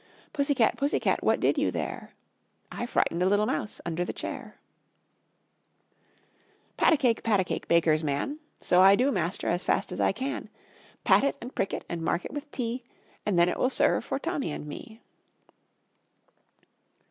Pussy cat, pussy cat, what did you there? I frightened a little mouse under the chair. Pat a cake, pat a cake, Baker's man; So I do, master, as fast as I can. Pat it and prick it and mark it with T, And then it will serve for Tommy and me.